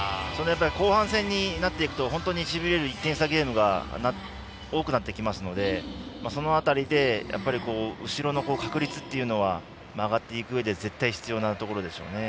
後半戦になってくると本当にしびれる１点差ゲームが多くなってきますのでその辺りで後ろの確率というのは上がっていくうえでは絶対に必要なところですね。